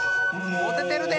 もててるで！